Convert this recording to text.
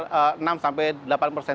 tidak ada survei yang bisa menunjukkan